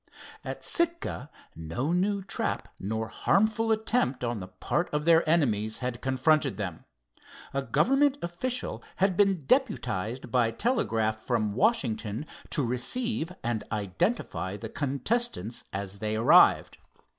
At Sitka no new trap nor harmful attempt on the part of their enemies had confronted them. A government official had been deputized by telegraph from Washington to receive and identify the contestants as they arrived.